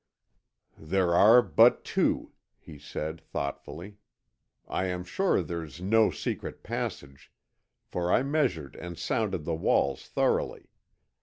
"There are but two," he said, thoughtfully. "I am sure there's no secret passage, for I measured and sounded the walls thoroughly.